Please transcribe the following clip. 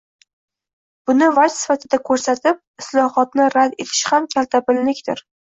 Buni vaj sifatida ko‘rsatib, islohotni rad etish ham kaltabinlikdir.